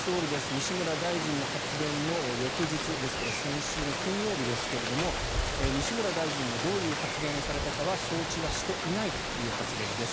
西村大臣の発言の翌日ですから先週の金曜日ですけれど西村大臣がどういう発言をされたかは承知はしていないという発言です。